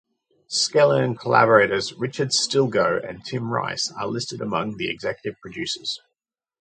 Skellern collaborators Richard Stilgoe and Tim Rice are listed among the executive producers.